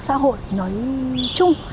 xã hội nói chung